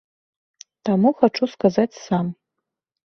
Таму хачу сказаць сам.